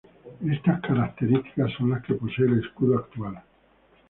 Estas características son las que posee el escudo actual.